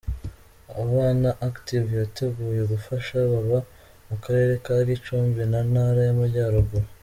Abana Active yateguye gufasha, baba mu Karere ka Gicumbi mu Ntara y’Amajyaruguru.